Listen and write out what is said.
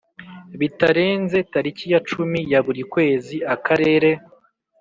Bitarenze tariki ya cumi ya buri kwezi Akarere